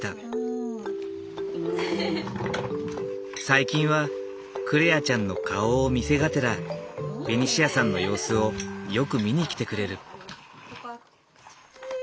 最近は來愛ちゃんの顔を見せがてらベニシアさんの様子をよく見に来てくれる。